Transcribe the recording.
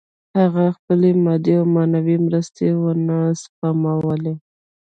هغه خپلې مادي او معنوي مرستې ونه سپمولې